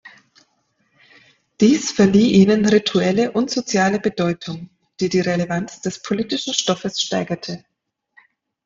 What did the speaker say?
Dies verlieh ihnen rituelle und soziale Bedeutung, die die Relevanz des politischen Stoffes steigerte.